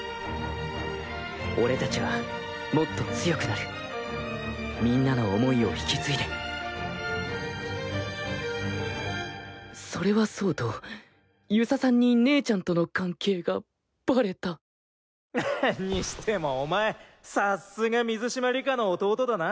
俺達はもっと強くなるみんなの想いをひきついでそれはそうと遊佐さんに姉ちゃんとの関係がバレたカハッにしてもお前さっすが水嶋里佳の弟だな。